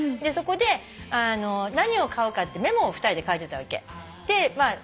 そこで何を買うかってメモを２人で書いてたわけ。